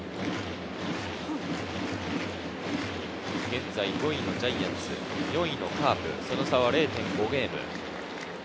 現在５位のジャイアンツ、４位のカープ、その差は０．５ゲーム。